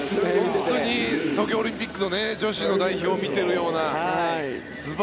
本当に東京オリンピックの女子代表を見ているような。